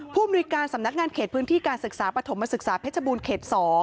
ภูมิหน่วยการสำนักงานเขตพื้นที่การศึกษาปฐมศึกษาเพชรบูรณเขต๒